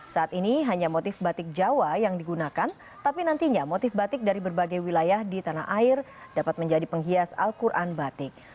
saat ini hanya motif batik jawa yang digunakan tapi nantinya motif batik dari berbagai wilayah di tanah air dapat menjadi penghias al quran batik